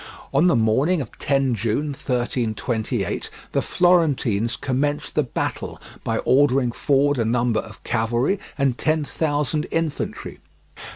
On the morning of 10 June 1328, the Florentines commenced the battle by ordering forward a number of cavalry and ten thousand infantry.